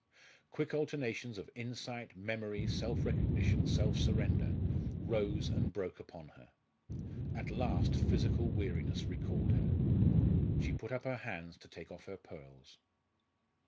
Quick alternations of insight, memory, self recognition, self surrender, rose and broke upon her. At last, physical weariness recalled her. She put up her hands to take off her pearls.